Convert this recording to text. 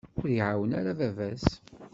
Ur iɛawen ara baba-s.